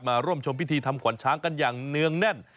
มาร่วมชมพิธีทำขวัญช้างกันอย่างเนื่องแน่น